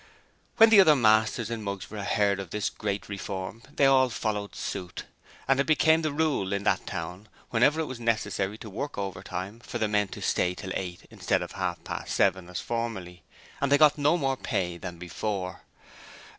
When the other masters in Mugsborough heard of this great reform they all followed suit, and it became the rule in that town, whenever it was necessary to work overtime, for the men to stay till eight instead of half past seven as formerly, and they got no more pay than before.